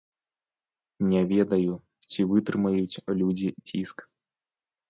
Не ведаю, ці вытрымаюць людзі ціск.